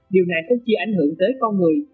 điều này không chỉ ảnh hưởng tới con người